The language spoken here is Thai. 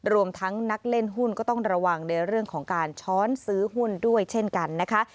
รวมทั้งนักเล่นหุ้นก็ต้องระวังในเรื่องของการช้อนซื้อหุ้นด้วยเช่นกันนะคะ